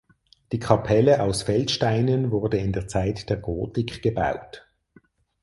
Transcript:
Die Kapelle aus Feldsteinen wurde in der Zeit der Gotik gebaut.